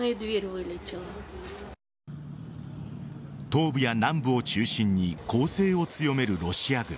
東部や南部を中心に攻勢を強めるロシア軍。